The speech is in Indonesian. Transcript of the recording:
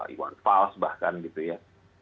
iwan fals bahkan gitu ya